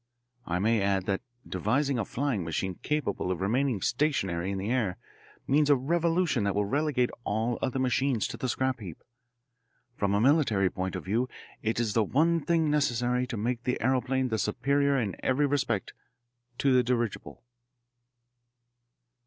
I may add that devising a flying machine capable of remaining stationary in the air means a revolution that will relegate all other machines to the scrap heap. From a military point of view it is the one thing necessary to make the aeroplane the superior in every respect to the dirigible."